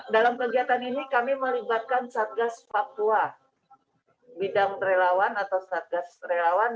dalam kegiatan ini kami melibatkan satgas papua bidang relawan atau satgas relawan